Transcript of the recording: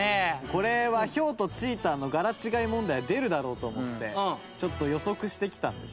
これはヒョウとチーターの柄違い問題は出るだろうと思って予測してきたんですけど。